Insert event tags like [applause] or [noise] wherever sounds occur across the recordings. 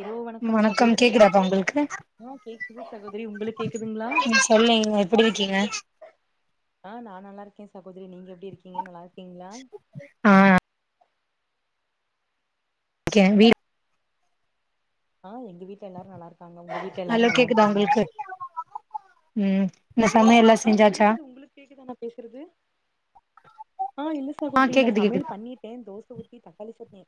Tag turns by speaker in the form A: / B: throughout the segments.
A: இரவு
B: வணக்கம்
A: சகோதரி
B: கேக்குதாப்பா உங்களுக்கு
A: ஆ கேக்குது சகோதரி உங்களுக்கு கேக்குதுங்களா
B: ம் சொல்லுங்க எப்படி இருக்கீங்க
A: ஆ நா நல்லா இருக்கே சகோதரி நீங்க எப்டி இருக்கீங்க நல்லா இருக்
B: ஆ எ வீட்
A: ஆ எங்க வீட்ல எல்லாரு நல்லா இருக்காங்க உங்க வீட்ல
B: ஹலோ
A: எல்லாரும் நல்லா
B: கேக்குதா
A: இருக்காங்களா
B: உங்களுக்கு ம் இந்த சமையலெல்லா
A: ஆ
B: செஞ்சாச்சா
A: கேக்குது உங்களுக்கு கேக்குதா நா பேசுறது ஆ இல்ல
B: ஆ
A: சகோதரி நா
B: கேக்குது கேக்குது
A: சமையல் பண்ணிட்ட தோசை ஊத்தி தக்காளி சட்னி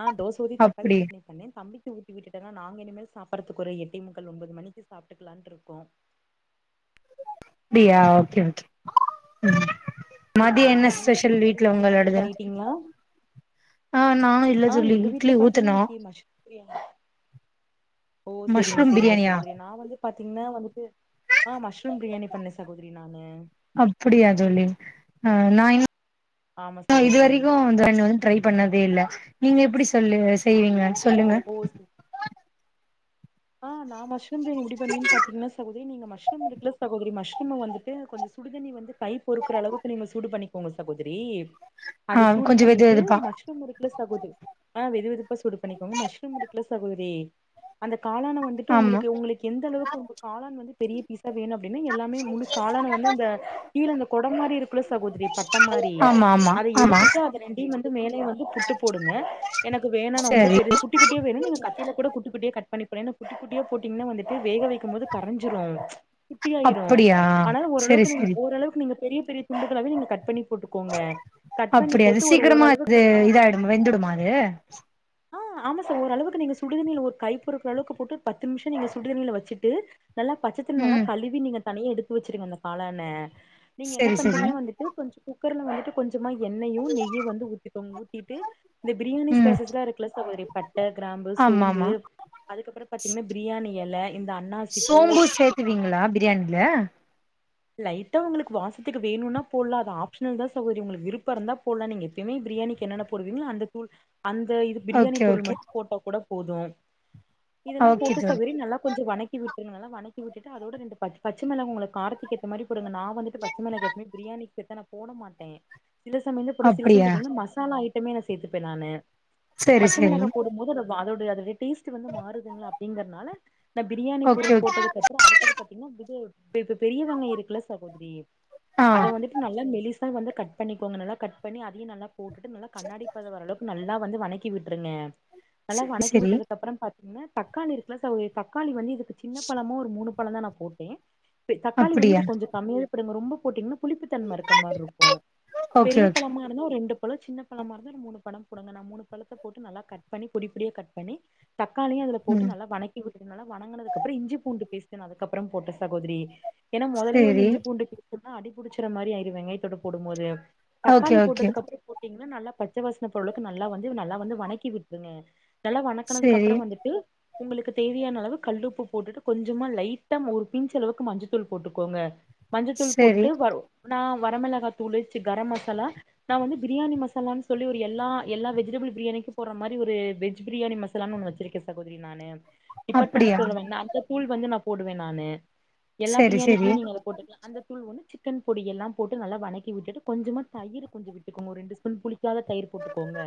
A: ஆ தோச ஊத்தி தக்காளி
B: அப்டி
A: சட்னி பண்ணே தம்பி ஊட்டி விட்டுட்டேன்னா நாங்க இனிமேல் சாப்படறதுக்கு ஒரு எட்டே முக்கால் ஒம்பது மணிக்கு சாப்ட்டுக்கலான்னு இருக்கோ
B: அப்டியா ஓகே ஓகே
A: ஆ
B: மதிய என்ன
A: நீங்க
B: ஸ்பெஷல்
A: சகோதரி
B: வீட்ல
A: நீங்க சமையல்
B: உங்களோடுது
A: பண்ணிட்டீங்களா
B: ஆ நானு இல்ல
A: ஆ
B: ஜொல்லி
A: எங்க வீட்ல
B: இட்லி
A: பாத்தீங்கன்னா
B: ஊத்தனு
A: இன்னைக்கு மஷ் ஓ செரிங்க செரிங்க சகோதரி நா வந்து பாத்தீங்கன்னா வந்துட்டு ஆ மஷ்ரூம் பிரியாணி பண்ணே சகோதரி நானு
B: ய ஜொல்லி நா
A: ஆமா
B: இன்னு
A: சகோதரி
B: இதுவரைக்கு வந்து நா ட்ரை பண்ணதே இல்ல நீங்க எப்டி சொல்லு செய்வீங்க சொல்லுங்க
A: ஓ சு ஆ நா மஷ்ரூ பிரியாணி எப்டி பண்ணுவேன்னு பாத்தீங்ன்னா சகோதரி நீங்க மஷ்ரூ இருக்கல சகோதரி மஷ்ரூ மஷ்ரூம வந்துட்டு கொஞ்சம் சுடுதண்ணி வந்து கைப் பொறுக்கிற அளவுக்கு நீங்க சூடு பண்ணிக்கோங்க சகோதரி அத
B: ஆ
A: சூடு
B: கொஞ்சோ வெது
A: பண்ணிட்டு
B: வெதுப்பா
A: மஷ்ரூம் இருக்குல சகோதரி அ வெது வெதுப்பா சூடு பண்ணிக்கோங்க மஷ்ரூம் இருக்கல சகோதரி அந்த காளான வந்துட்டு
B: ஆமா
A: உங்களுக்கு உங்களுக்கு எந்த அளவுக்கு காளான் வந்து பெரிய பீஸ் வேணு அப்படின்னா எல்லாமே முழு காளான வந்து அந்த கீழ அந்த கொடம் மாதிரி இருக்குல்ல சகோதரி பட்ட மாரி
B: ஆமா ஆமா
A: அத
B: ஆமா
A: எடுத்துட்டு அத ரெண்டையும் வந்து மேலேயும் வந்து புட்டு போடுங்க எனக்கு வேணுன்ன ரொம்ப
B: சரி
A: பெரிய குட்டி குட்டிய வேணுனா நீங்க கத்தில‌ கூட குட்டிக் குட்டிய கட் பண்ணி போட ஏன்னா குட்டிக் குட்டியா போட்டீங்கன்னா வந்து வேக வைக்கும் போது கரைஞ்சிரு குட்டிாயிரும்
B: அப்படியா
A: அனால
B: செரி
A: ஓரளவுக்கு
B: செரி
A: ஓரளவுக்கு நீங்க பெரிய பெரிய துண்டுகளாவே நீங்க கட் பண்ணி போட்டுக்கோங்க கட் பண்ணி
B: அப்படியா அது
A: போட்டு ஒரு
B: சீக்கிரமா அது
A: ஓரளவுக்கு ஆ
B: இதாயிடுமா வெந்துடுமா அது
A: ஆ ஆமா சார் ஒரு அளவுக்கு நீங்க சுடு தண்ணியில ஒரு கை பொறுக்கிற அளவுக்கு போட்டு பத்து நிமிஷம் நீங்க சுடுதண்ணியில வச்சிட்டு நல்லா பச்சத்தண்ணீல நல்லா
B: ம்
A: கழுவி நீங்க தனியே எடுத்து வச்சிருங்க அந்த காளான நீங்க என்ன
B: செரி செரி
A: பண்றீங்கன்னா வந்துட்டு கொஞ்ச குக்கர்ல வந்துட்டு கொஞ்ச சும்மா எண்ணயு நெய்யூ வந்து ஊத்திக்கோங்க ஊத்திட்டு இந்த பிரியாணி
B: ம்
A: ஸ்பைசஸ்ல இருக்குல சகோதரி பட்ட கிரா கம்பு
B: ஆமா
A: சோம்பு
B: ஆமா
A: அதுக்கப்புறோ பாத்தீங்னா பிரியாணி எல இந்த அன்னாசி பூ ஆ
B: ஆ
A: லைட்டா உங்களுக்கு வாசத்துக்கு வேணுனா போட்லா அது ஆப்ஷனல் தா சகோதரி உங்களுக்கு விருப்பருந்தா போட்லா நீங்க எப்பயுமே பிரியாணிக்கு என்னென்ன போடுவீங்ளோ அந்த தூள் அந்த இது பிரியாணி
B: ஓகே
A: பொருள்
B: ஓகே
A: மட்டு போட்டா கூட போது இதெல்லா
B: ஓகே
A: போட்டு
B: தோழி
A: சவரி நல்லா கொஞ்ச வணக் வணக்கி விட்டு நல்லா வணக்கி விட்டுட்டு அதோட ரெண்டு பச் பச்சமிளகு உங்களுக் காரத்துக்கேத்த மாரி [unintelligible] நா வந்துட்டு பச்ச மிளக எப்மே பிரியாணிக்கேத்த நா போட மாட்டே சில சமைய்ய போட சில சமய
B: அப்படியா
A: பாத்தீங்கன்னா மசால ஐட்டமே நா சேத்துப்பே நானு
B: செரி
A: பச்ச
B: செரி
A: மிளகா போடும்போது அத அதோடைய அதோடைய டேஸ்ட் வந்து மாறுதுங்களா அப்டிங்கிறதுனால நா பிரியாணி
B: ஓகே
A: பொருள்
B: ஓகே
A: போட்டதுக் கப்புறோ அடுத்தது பாத்தீங்கன்னா இது இப்ப இப்ப பெரியவங்க இருக்குல்ல சகோதரி
B: ஆ
A: அத வந்துட்டு நல்லா மெலிசா வந்து கட் பண்ணிக்கோங்க நல்லா கட் பண்ணி அதையு நல்லா போட்டுட்டு நல்லா கண்ணாடிப்பத வரளவுக்கு நல்லா வந்து வநக்கி விட்ருங்க நல்லா
B: செரி
A: வநக்கி
B: செரி
A: விட்டதுக்கப்பறம் பாத்தீங்கன்னா தக்காளி இருக்குல சகோதரி தக்காளி வந்து இதுக்கு சின்ன பழமோ ஒரு மூனு பழந்தா நா போட்டே ப் தக்காளி
B: அப்படியா
A: வந்து கொஞ்ச கம்மியாவே போடுங்க ரொம்ப போட்டீங்கன்னா புளிப்புதன்ம இருக்க மார்ருக்கு
B: ஓகே
A: பெரிய
B: ஓகே
A: பழமாருந்தா ஒரு ரெண்டு பழோ சின்ன பழமாருந்தா ஒரு மூணு பழம் கொடுங்க நா மூனு பழத்த போட்டு நல்லா கட் பண்ணி பொடி பொடியா கட் பண்ணி தக்காளியு அதுல போட்டு
B: ம்
A: நல்லா வநக்கி விட்டுட்டு நல்லா வநங்குனதுக்கப்ரோ இஞ்சி பூண்டு பேஸ்ட் நல் அதுக்கப்ரோ போட்ட சகோதரி ஏன்னா மொதலே வந்து
B: செரி
A: இஞ்சி பூண்டு பேஸ்ட் போட்டா அடிபுடுச்சற மாரி ஆயிரு வெங்காயத்தோட போடும் போது
B: ஓகே
A: தக்காளி
B: ஓகே
A: போட்டதுகப்புற போட்டீங் வந்து நல்லா பச்சவாஸ்ன போரளவுக்கு நல்லா வந்து நல்லா வந்து வநக்கி விட்ருங்க நல்லா வநக்குனதுக் கப்
B: செரி
A: அப்பறோ வந்துட்டு உங்களுக்கு தேவையான அளவு கல்லுப்பு போட்டுட்டு கொஞ்சமா லைட்டாம் ஒரு பிஞ்ச் அளவுக்கு மஞ்சத்தூள் போட்டுக்கோங்க மஞ்சத்தூள்
B: செரி
A: போட்டுட்டு வரு நா வரமிளகா தூள் ச்சு கரம் மசாலா நா வந்து பிரியாணி மசாலானு சொல்லி ஒரு எல்லா எல்லா வெஜிடபிள் பிரியாணிக்கு போர்ர மாரி ஒரு வெஜ் பிரியாணி மசலான்னு ஒன்னு வச் [unintelligible] சகோதரி நானு டிபாட்மெண்ட்ஸ்
B: அப்படியா
A: ல வந் நா அந்த தூள் வந்து நா போடுவே நானு எல்லா
B: சரி சரி
A: பிரியாணிக்குமே நீங்க அத போட்டுக்கலா அந்த தூள் ஒன்னு ச் சிக்கன் பொடி எல்லா போட்டு நல்லா வனக்கி விட்டுட்டு கொஞ்சமா தயிர் கொஞ்ச விட்டுக்கோங்க ஒரு ரெண்டு ஃஸ்பூன் புளி க்காத தயிர் போட்டுக்கோங்க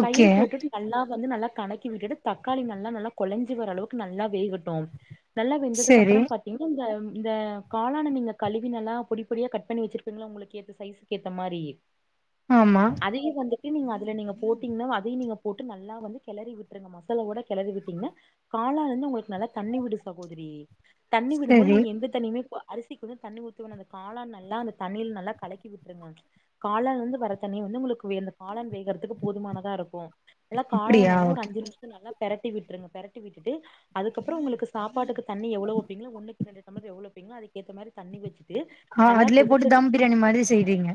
B: ஓகே
A: தயிர் போட்டுட்டு நல்லா வந்து நல்லா கணக்கி விட்டுட்டு தக்காளி நல்லா நல்லா கொலஞ்சு வர அளவுக்கு நல்லா வேகட்டும் நல்லா
B: சரி
A: வெந்ததுக்கப்பறம் பாத்தீங்கன்னா ந்த இந்த காளான நீங்க கழுவி நல்லா பொடி பொடியா கட் பண்ணி வச்சிருப்பீங்கள உங்களுக்கு ஏத்த சைஸ்க்கு ஏத்த மாரி
B: ஆமா
A: அதையு வந்துட் டு‌நீங்க அதுல நீங்க போட்டீங்னா அதையு நீங்க போட்டு நல்லா வந்து கிளறி விட்ருங்க மசா லா ஓட கெளரி விட்டீங்னா காளாலருந்து உங்களுக்கு நல்லா தண்ணி விடு சகோதரி தண்ணி விடும்போது
B: சரி
A: நீங்க எந்த தண்ணியுமே அரிசிக்கு வந்து தண்ணி ஊத்துவ அந்த காளா நல்லா அந்த தண்ணில நல்லா கலக்கி விட்ருங்க காளான்லருந்து வர தண்ணி வந்து உங்களுக்கு வேந் த காளான் வேகுரதுக்கு போதுமானதாருக்கு எல்லா
B: அப்டியா
A: காளான்லல்லா ஒரு
B: ஓகே
A: அஞ்சு நிமிஷ நல்லா பெரட்டி விட்ருங்க பெரட்டி விட்டுட்டு அதுக்கப்புரோ உங்களுக்கு சாப்பாட்டுக்கு தண்ணி எவ்ளோ வப்பீங்களோ ஒன்னுக் த்ரீ ஹண்ட்ரட் [inaudible] எவ்ளோ வப்பீகளோ அதுக்கேத்த மாரி தண்ணி வச்சு
B: ஆ அதுலே போட்டு தம் பிரியாணி மாரி செய்றீங்க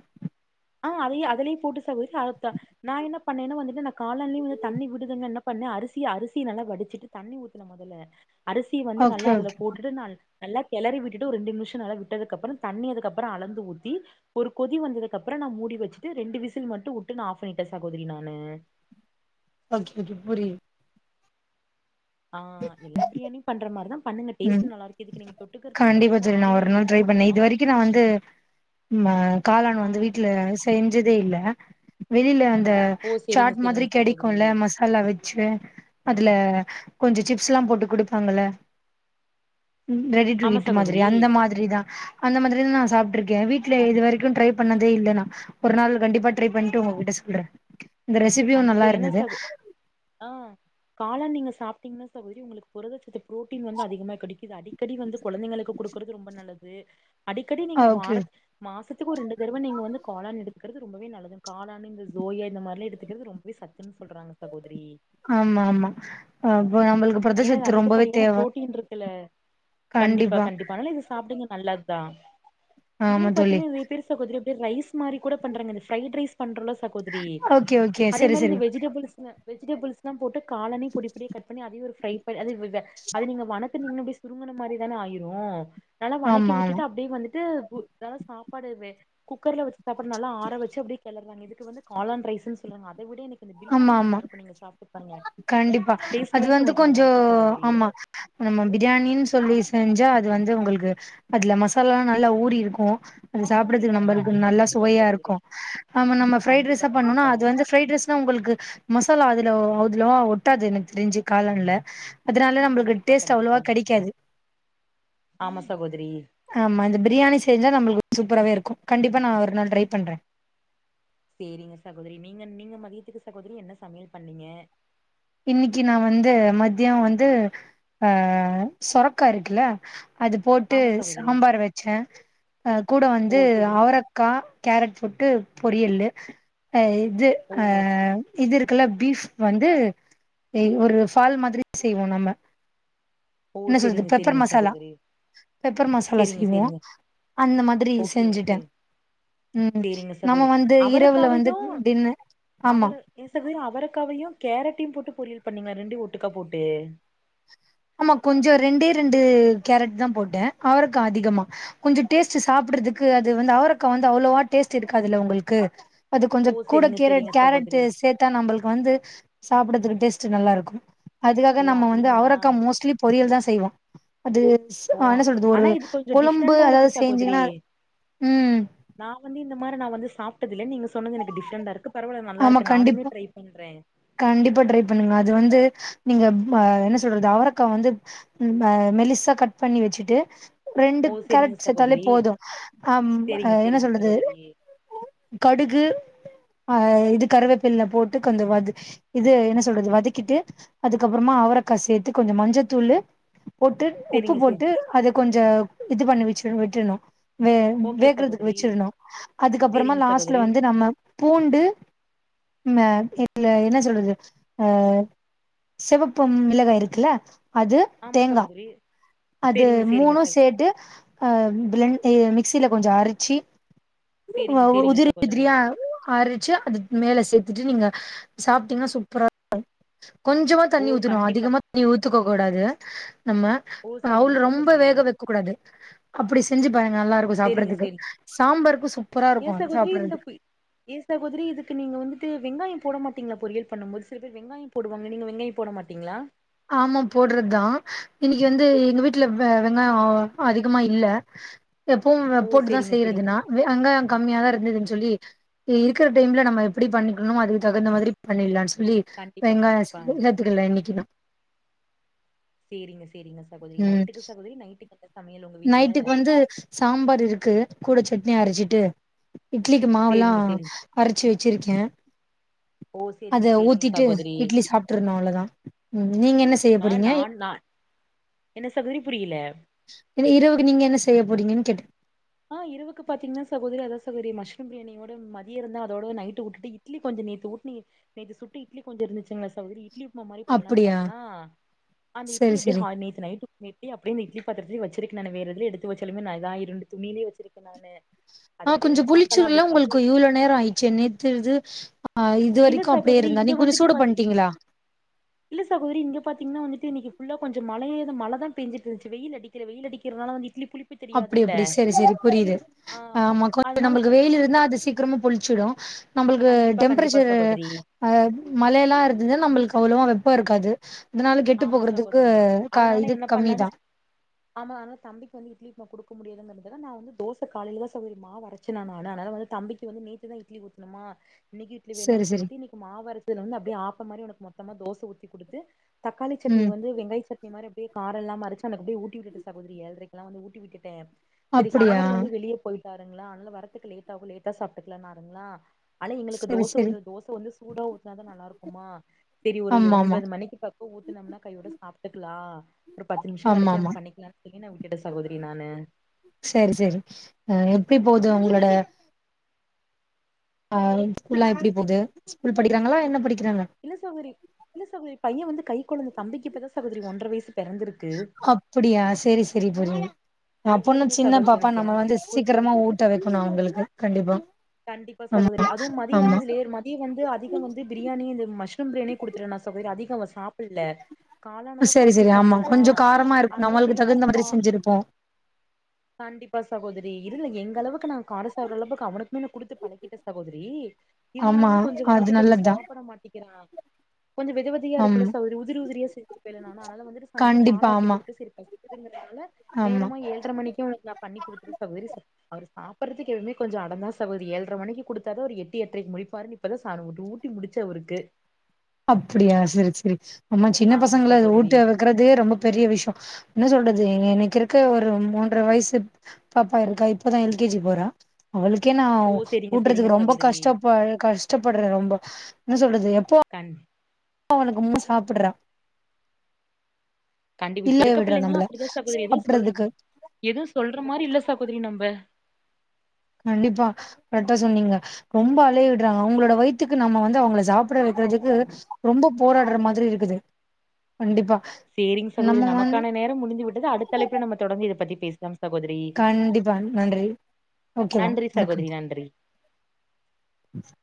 A: ஆ அதேயே அதுலே போட்டு சகோதரி நா என்ன பண்ணேன்னு வந்துட்டு நா காளான்லயு வ தண்ணி விடுதுன்னு வேண் பண்ண அரிசிய அரிசி நல்லா வடுச்சுட்டு தண்ணி ஊத்துன மொதல்ல அரிசி வந்து
B: ஓகே
A: நல்லா அதுல
B: ஓகே
A: போட்டுட்டு நல் நல்லா கெளறி விட்டுட்டு ஒரு ரெண்டு நிமிஷ நல்லா விட்டதுக்கப்பறோ தண்ணி அதுக்கப்பறோ அளந்து ஊத்தி ஒரு கொதி வந்ததுகப்பறோ நல்லா மூடி வச்சுட்டு ரெண்டு விசில் மட்டு வுட்டு நா ஆஃப் பண்ணிட்டே சகோதரி நானு
B: ஓகே ஓகே புரியுது
A: ஆ எல்லா பிரியாணியு பண்ற மாரிதா பண்ணுங்க
B: ம்
A: டேஸ்ட் நல்லாருக்கு இதுக்கு நீங்க தொட்டுக்கிறதுக்கு
B: கண்டிப்பா
A: பாத்தீங்கன்னா
B: தோழி நா
A: ஆனியன் ரைதா பண்ணலா
B: ம்ம காளான்
A: ஆ
B: வந்து வீட்ல செய்ஞ்சதே இல்ல வெளில வந் ந்த
A: ஓ செரிங்க
B: சாட் மாதிரி
A: செரிங்க சகோதரி
B: கெடைக்குல மசாலா வச்சு அதுல கொஞ்ச சிப்ஸ்ல்லா போட்டு கொடுப்பாங்கள. ரெடி டு
A: ஆமா
B: ஈட் மாதிரி,
A: சகோதரி
B: அந்த மாதிரி தா அந்த மாதிரி தா நா சாப் ட்ருக்கே. வீட்ல இது வரைக்கு ட்ரை பண்ணதே இல்ல நா, ஒரு நாள் கண்டிப்பா ட்ரை பண்ணிட்டு உங்ககிட்ட சொல்றே இந்த ரெசிபியு நல்லா
A: கண்டிப்பா ஏன்னா
B: இருந்தது.
A: சகோ ஆ காளான் நீங்க சாப்ட்டீங்கன்னா சகோதரி, உங்களுக்கு புரதச்சத் து ப்ரோட்டீன் வந்து அதிகமா கடைக்குது. அடிக்கடி வந்து குழந்தைங்களுக்கு கொடுக்கறது ரொம்ப நல்லது. அடிக்கடி நீங்க
B: ஓகே
A: வாரத் மாசத் துக்கு ஒரு இரண்டு தடவ நீங்க வந்து காளான் எடுக்கிறது ரொம்பவே நல்லது. காளான் இந்த சோயா இந்த மாறிலா எடுத் துக்கிறது ரொம்பவே சத்துன்னு சொல்றாங்க சகோதரி
B: ஆமா ஆமா ஆ
A: ஏன்னா இது அதிகப்படியான புரோட்டீன் இருக்குல்ல, கண்டிப்பா, கண்டிப்பா அனால இது சாப்டுங்க நல்லது தா. இதுலே
B: ஆமா தோழி
A: பாத்தீங்கன்னா நெறைய பேர் சகோதரி ரைஸ் மாரிக்கூட பண்றாங்க, ஃபிரைட் ரைஸ் பண்றோல சகோதரி,
B: ஓகே ஓகே
A: அதே
B: சரி
A: மாரி இந்த
B: சரி
A: வெஜிடபிள்ஸ் நா வெஜிடபிள்ஸ்ல்லா போட்டு காலனையு பொடி பொடியா கட் பண்ணி அதையு ஒரு ஃப்ரை ப அது விவ அத நீங்க வணக்குனிங்கன, சுருங்கண மாரிதானே ஆயிரு நல்லா வணக்கி
B: ஆமா ஆமா
A: விட்டுட்டு, அப்டியே வந்துட்டு உ நல்லா சாப்பாடுவே குக்கர்ல வச்சு அப்புற நல்லா ஆற வச்சு கெளர்வாங்க, இதுக்கு வந்து காலான் ரைஸ்ன்னு சொல்றாங்க. அத விட எனக் இந்த
B: ஆமா
A: பிரியாணி நல்லா
B: ஆமா
A: இருக்கு நீங்க சாப்டு பாருங்க
B: கண்டிப்பா
A: டேஸ்ட்
B: அது
A: வைஸ்
B: வந்து
A: உங்களுக்கு நல்லா
B: கொஞ்சோ
A: இருக்கு சகோதரி
B: ஆமா, நம்ம பிரியாணின்னு சொல்லி செஞ்சா, அது வ ந்து உங்களுக்கு, அதுல மசாலாலா நல்லா ஊறி இருக்கு சாப்டுறக்கு நம்மளுக்கு
A: கண்டிப்பா
B: நல்லா
A: கண்டிப்பா
B: சுவையா
A: சகோதரி
B: இருக்கு நம்ம நம்ம ஃபிரைட்
A: கண்டிப்பா
B: ரைஸா பண்ணுனா,
A: கண்டிப்பா
B: அது வந்து ஃபிரைட் ரைஸ் உங்களுக்கு மசாலா அதுல, அதுலவா ஒட்டாது எனக்கு தெரிஞ்சு காலன்ல அதுனால நம்மளுக்கு
A: கண்டிப்பா
B: டேஸ்ட் அவ்வளவா
A: கண்டிப்பா
B: கெடைக்காது.
A: ஆமா சகோதரி
B: ஆமா, இந்த பிரியாணி செஞ்சா நம்மளுக்கு சூ ப்பராவே இருக்கு. கண்டிப்பா நா ஒரு நாள் ட்ரை பண்றே
A: சேரிங்க சகோதரி, நீங்க, நீங்க மதியத்துக்கு சகோதரி, என்ன சமையல் பண்ணீங்க?
B: இன்னிக்கு நா வந்து, மதிய வந்து, அ சொரக்கா இருக்குல. அது போட்டு
A: ஆமா சகோதரி
B: சாம்பார் வச்சே. அ கூட வந்து
A: ஓ சேரிங்க
B: அவரக்கா, கேரட் போ டு பொரியல்லு, அ இது ஆ
A: ஓ
B: இது இருக்குல, பீஃப் வந்து ஏ ஒரு ஃபால் மாதிரி செய்வோ நம்ம
A: ஓ
B: என்ன சொல்றது
A: செரிங்க,
B: பெப்பர்
A: செரிங்க
B: மசாலா
A: சகோதரி
B: பெப்பர் மசாலா
A: செரிங்க
B: செய்வோ
A: செரிங்க
B: அந்த மாதிரி
A: ஓகே
B: செஞ்சுட்டே
A: ஓகே
B: ம்
A: செரிங்க
B: நம்ம
A: சகோதரி
B: வந்து, இரவுல வந்து டின்னு
A: அவரு எ சில நேரோ அவருக்காவையு கேரட்டையு போட்டு பொரியல் பண்ணீங்கலா? ரெண்டையு ஒட்டுக்கா போட்டு.
B: கொஞ்சொ ரெண்டே ரெண்டு கேரட் தா போட்டே அவரக்கா அதிகமா, கொஞ்ச டேஸ்ட் சாப்புடுறதுக்கு அது வந்து, அவரக்கா வந்து, அவ்வளோவா டேஸ்ட் இருக்காதுல்ல உங்களுக்கு அது கொஞ்ச
A: ஓ
B: கூட
A: செரிங்க
B: கேரட்,
A: செரிங்க
B: கேரட்
A: சகோதரி
B: சேத்தா நம்பளுக்கு வந்து, சாப்புடதுக்கு டேஸ்ட்டு நல்லா இருக்கு அதுக்காக
A: ஓ
B: நம்ம வந்து
A: அப்டிங்களா
B: அவரக்கா மோஸ்ட்லி பொரியல் தா செய்வோ அது
A: ஓ
B: ஆ என்ன சொல்றது, ஒரு
A: ஆனா இது கொஞ்சோ
B: கொழும்பு
A: டிஃப்ரெண்டா இருக்கு
B: அதாவது
A: சகோதரி
B: செஞ்சீங்கன்னா. ம்
A: நா வந்து இந்த மாரி, நா வந்து சாப்ட்டதில்ல. நீங்க சொன்னது எனக்கு டிஃப்ரெண்டா இருக்கு. பரவால்ல நல்லா
B: ஆமா
A: இருக்கு நானுமே
B: கண்டிப்பா,
A: ட்ரை பண்றே
B: கண்டிப்பா ட்ரை பண்ணுங்க அது வந்து நீங்க ஆ என்ன சொல்றது, அவரக்கா வந்து, மா மெலிசா கட் பண்ணி வச்சுட்டு, ரெண்டு
A: ஓ செரிங்க
B: கேரக்ட் சேர்த்தாலே
A: சகோதரி
B: போது ஆம் ஆ
A: செரிங்க
B: என்ன
A: செரிங்க
B: சொல்றது,
A: சகோதரி
B: கடுகு ஆ இது கருவேப்பில்ல போட்டு கொஞ்ச வது, இது என்ன சொல்றது வதக்கிட்டு, அதுக்கப்புறமா அவரக் கா சேத்து, கொஞ்ச மஞ்சத்தூளு, போட்டு, உப்பு
A: செரிங்க செ
B: போட்டு, அத கொஞ்ச இது பண்ணி வச்சு விட்டுட்ணு வே
A: ஓகே
B: வேகுறதுக்கு
A: சகோதரி
B: வச்சிருணு அதுக்கப்புறமா
A: செரிங்க
B: லாஸ்ட்ல
A: சகோதரி
B: வந்து நம்ம பூண்டு ன்ன இல்ல என்ன சொல்லுது அ சிவப்பம் மிளகாய் இருக்குல அது
A: ஆமா
B: தேங்கா
A: சகோதரி
B: அது
A: செரிங்க செரிங்க
B: மூணு
A: சகோ
B: சேட்டு அ பிளன்ட் எ மிக் க்சில கொஞ்ச அரிச்சு அ
A: சேரிங்க சேரிங்க
B: உதிரி
A: சகோதரி
B: உதிரியா அரிச்சு அது மேல சேத்துட்டு நீங்க சாப்டீங்னா சூப்பரா கொஞ்சமா
A: ஓ
B: தண்ணி ஊத்தணு
A: கண்டிப்பா
B: அதிகமா தண்ணி ஊத்துக்க கூடாது நம்ம
A: ஓ
B: அவுள
A: சேரிங்க
B: ரொம்ப
A: சகோதரி
B: வேக வக்க கூடாது அப்டி செஞ்சு பாருங்க நல்லா இருக்கு
A: சேரிங்க
B: சாப்றதுக்கு
A: சேரி
B: சாம்பாருக்கு சூப்பரா
A: ஏ
B: இருக்கு
A: சகோதரி இந்த
B: சாப்டுறது
A: ஃபு ஏ சகோதரி இதுக்கு நீங்க வந்துட்டு வெங்காய போட மாட்டீங்ளா பொரியல் பண்ணும் போது சில பேர் வெங்காய போடுவாங்க நீங்க வெங்காய போட மாட் டிங்ளா
B: ஆமா போடுறது தா இன்னிக்கு வந்து எங்க வீட்ல வெ வெங்காய அதிகமா இல்ல எப்பவு
A: ஓ
B: போட்டுதா
A: சேரிங்க
B: செய்றது
A: சேரிங்க
B: நா வெ வெங்காய கம்மியா தா ந்தது சொல்லி ப இருக்கிற டைம்ல நம்ம எப்டி பண்ணிக்கணுமோ அதுக்கு தகுந்த மாதிரி பண்ணிடலானு சொ ல்லி
A: கண்டிப்பா
B: வெங்காய
A: கண்டிப்பா
B: [unintelligible] இண்ணக்கிதா
A: சேரிங்க சேரிங்க சகோதரி நைட்டுக்கு சகோதரி நைட்டுக்கு என்ன சமையல் ஒங்க வீட்ல
B: இதுக்கு கூட சட்னி அரச்சுட்டு இட்லிக்கு மாவுல்லா
A: சேரிங்க சேரி
B: அரச்சு வச்சுருக்கே
A: ஓ சேரிங்க
B: அத
A: சேரிங்க
B: ஊத்திட்டு
A: சகோதரி
B: இட்லி சாப்ட்ரனு அவ்ளோதா ம் நீங்க என்ன செய்ய
A: ஆ
B: போறீங்க
A: நான் நா என்ன சகோதரி புரியல
B: இன்ன இரவுக்கு நீங்க என்ன செய்ய போறீங்கன்னு கேட்
A: ஆ இரவுக்கு பாத்தீங்னா சகோதரி அதா சகோரி மஷ்ரூம் பிரியாணியோட மதியரந்தா அதோட நைட்டு வுட்டுட்டு இட்லி கொஞ்ச நேத்து ஊட்னியே நேத்து சுட்ட இட்லி கொஞ்ச இருந்துச்சுங்களா சவுரி இட்லி உப்மா மாரி பண்லானு
B: அப்டியா
A: பாத்தனா அந்த இட்லி
B: செரி
A: எப்டி
B: செரி
A: ஹா நேத்து நைட்டு அந்த இட்லி அப்டியே பாத்துரத்துல வச் திருக்கு நானு வேற எதுல எடுத்து வச்சாலுமே நான் இது ஆயிருன்டு துணிலயே வச்சுருப்பே நானு அது
B: ஆ
A: அப்டியே
B: கொஞ்ச
A: பாக்கலா
B: புளிச்சுல்லா
A: அப்டி பாத்து
B: உங்களுக்கு இவ்ளோ நேர ஆயிடுச்சு நேத்துது ஆ இது
A: இல்ல
B: வரக்கு அப்டியே
A: சகோதரி
B: இருந்தா நீ
A: இங்க
B: கொஞ்ச
A: வந்துட்டு
B: சூடு
A: பாத்து
B: பண்ட்டீங்ளா
A: இல்ல சகோதரி இங்க பாத்தீங்னா வந்துட்டு இன்னக்கி புல்லா கொஞ்ச மழையே தா மழ தா பெஞ்சிட்டுருந்துச்சு வெயிலடிக்கல வெயில் அடிக்கிறனால வந்து இட்லி புளிப்பு
B: அப்டி
A: தெரியாதுல்ல
B: அப்டி சேரி சேரி புரியுது
A: ஆ
B: ஆமா கொஞ்ச
A: அதனால
B: நம்மளுக்கு
A: ச-
B: வெயில் இருந்தா அது சீக்கிரமா புளிச்சுடு நம்பளுக்கு
A: கண்டிப்பா கண்டிப்பா
B: டெம்பரேச்சர்
A: சகோதரி
B: அ மழையெல்லா இருந்துது நம்பளுக்கு அவ்ளவா ப்ப இருக்காது இதனால கெட்டு
A: ஆமா
B: போகுறதுக்கு
A: சகோதரி அதனால
B: இது
A: என்ன பண்ணலான்னு
B: கம்மிதா
A: ஆமா ஆனால தம்பிக்கு வந்து இட்லி உப்மா கொடுக்க முடியதுங்கிறதுத நா வந்து தோச காலையில தா சகோதரி மாவு அரச்சு நானு ஆனா அனால வந் தம்பிக்கு வந்து நேத்துதா இட்லி ஊத்துணுமா இன்னைக்கு இட்லி
B: செரி
A: வேணானு
B: செரி
A: சொல்லிட்டு இன்னைக்கு மாவு அரச்சதுல வந்து அப்டியே ஆப்ப மாரி உனக்கு மொத்தமா தோசை ஊத்தி குடுத்து தக்காளி சட்னி
B: ம்
A: வந்து வெங்காய சட்னி மாரி எ கார இல்லாம அரச்சு அந்த அப்டியே ஊட்டி விட்டுட்டு சகோதரி ஏழ்றைகெலா வந்து ஊட்டி விட்டுடே தேரி
B: அப்படியா
A: கணவர் வந்து வெளிய போயிட்டாருங்ளா அதனால வரத்துக்கு லேட் ஆகு லேட்டா சாப்ட்டுக்கலாநாருங்ளா ஆல எங்களுக்கு
B: செரி
A: தோச
B: செரி
A: ஊத்துற தோச வந்து சூடா ஊத்துனாதா நல்லாருக்குமா தேரி ஒரு
B: ஆமா ஆமா
A: ஒன்பது மணிக்கு ப ம்னா கையோட சாப்ட்டுக்லா ஒரு பத்து நிமிஷ
B: ஆமா
A: கழிச்சு
B: ஆமா
A: நம் பண்ணிக்கலானு சொல்லி நா விட்டுட்ட சகோதரி நானு
B: சேரி சேரி அ எப்டி போவுது உங்களோட ஆ ஸ்கூல்லா எப்டி போகுது ஸ்கூல் படிக்கிறாங்களா என்ன படிக்
A: இல்ல சகோரி இல்ல சகோதரி பைய வந்து கை கொழந்த தம்பிக்கு இப்பதா ஸ் சகோதரி ஒன்ற வயசு பிறந்திருக்கு
B: அப்படியா செரி செரி தோழி அப்பன்னா சின்ன பாப்பா
A: எ
B: நம்ம வந்து
A: பைய ஸ்கூல்
B: சீக்கிரமா
A: போறதுக்கு
B: ஊட்ட வக்கணு அவுங்களுக்கு கண்டிப்பா
A: கண்டிப்பா
B: ஆமா
A: சகோதரி அதுவு மதிய
B: ஆமா
A: வந்து லேர் மதிய வந்து அதிக வந்து பிரியாணி இந்த மஷ்ரூம் பிரியாணியே குடுத்துறு நா ஸ் அதிக அவ சாப்புல்ல
B: ப
A: காளானதா
B: சேரி
A: பொறுக்கி
B: சேரி ஆமா
A: சாப்ட்டானா
B: கொஞ்ச காரமா இருக்கு
A: அதனால
B: நம்மளுக்கு
A: செரி இந்த
B: தகுந்த
A: பா
B: மாதிரி செஞ்சிருப்போ
A: கண்டிப்பா சகோதரி இல்ல எங்க அளவுக்கு நா கார சாப்ற அளவுக்கு அவனுக்மே நா குடுத்து பழகிட்டே சகோதரி
B: ஆமா
A: இருந்தாலுமே கொஞ்ச
B: அது
A: வந்துட்டு கொஞ்ச
B: நல்லதுதா
A: சாப்பிட மாட்டிக்கிறா கொஞ்ச வெத வெதியா இருக்குல்ல
B: ஆமா
A: சகோரி உதிரி உதிரா செஞ்சிருப்பேல நானு அனால வந்துட்டு சாய்ந்தர
B: கண்டிப்பா
A: பாலாத்தி
B: ஆமா
A: கொடுத்து சேரி பசி ங்கறனால
B: ஆமா
A: நேரமா ஏழ்ரை மணிக்கு உங்களுக்கு நான் பண்ணி குடுத்துரே சகோதரி சா அவரு சாப்படுறதுக்கு எவுமே கொஞ்ச அடந்தா சகோதரி ஏழ்ரை மணிக்கு கொடுத்தாத அவ ஒரு எட்டு எட்ரைக்கு முடிப்பாரு இப்பதா ஊட்டி முடிச்ச அவருக்கு
B: அப்டியா சரி சரி ஆமா சின்ன பசங்கள அத ஊட்டு வளக்கறதே ரொம்ப பெரிய விஷய என்ன சொல்றது எனக்கு இருக்க ஒரு மூன்ற வயசு பாப்பா இருக்கா இப்பதா எல்கேஜி போறா அவளுக்கே நா
A: ஓ செரிங்க செரிங்க
B: ஊட்டுறதுக்கு ரொம்ப
A: சகோதரி
B: கஷ்டப்ப கஷ்டப்படுறே ரொம்ப என்ன சொல்றது எப்போ
A: கண்
B: அவனக்கு முன் சாப்புட்றா
A: கண்டிப்ப இப்ப
B: இல்லயே
A: இருக்க
B: விடுறா
A: பிள்ளைங்களா
B: நம்மள
A: அப்டிதா சகோதரி எதுவு சொல்றதில்ல
B: சாப்புட்றதுக்கு
A: எதும் சொல்ற மாதிரி இல்ல சகோதரி நம்ப
B: கண்டிப்பா கரெக்டா சொன்னீங்க ரொம்ப அலையவிட்றாங்க அவங்களோட வயித்துக்கு நம்ம வந்து அவங்கள சாப்ட வக் ரதுக்கு ரொம்ப போராடுற மாதிரி இருக்குது கண்டிப்பா
A: சேரிங் சகோரி
B: நம்ம வந்து
A: நமக்கான நேரம் முடிந்து விட்டது அடுத்த அலைப்புல நம்ம தொடர்ந்து இத பத்தி பேசலாம் சகோதரி
B: கண்டிப்பா நன்றி ஓகேவா
A: நன்றி சகோதரி நன்றி
B: ம்